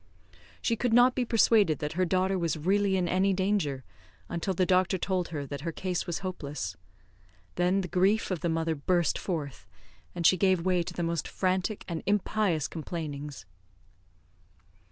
She could not be persuaded that her daughter was really in any danger, until the doctor told her that her case was hopeless; then the grief of the mother burst forth, and she gave way to the most frantic and impious complainings.